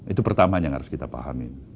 itu pertama yang harus kita pahami